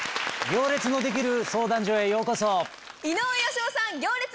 『行列のできる相談所』へようこそ。